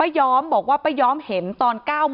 ที่มีข่าวเรื่องน้องหายตัว